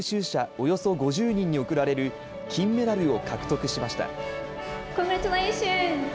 およそ５０人に贈られる金メダルを獲得しました。